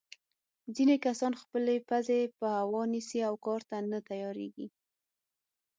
ځینې کسان خپلې پزې په هوا نیسي او کار ته نه تیارېږي.